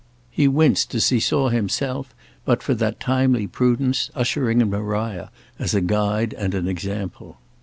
He winced as he saw himself but for that timely prudence ushering in Maria as a guide and an example.